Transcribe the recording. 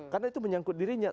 karena itu menyangkut dirinya